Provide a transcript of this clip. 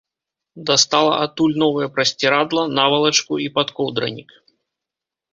Дастала адтуль новае прасцірадла, навалачку і падкоўдранік.